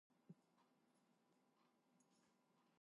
A creature can free itself or another creature within its reach.